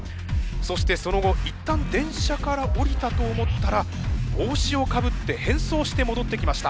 そしてその後一旦電車から降りたと思ったら帽子をかぶって変装して戻ってきました。